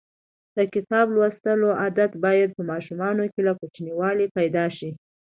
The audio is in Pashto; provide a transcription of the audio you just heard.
د کتاب لوستلو عادت باید په ماشومانو کې له کوچنیوالي پیدا شي.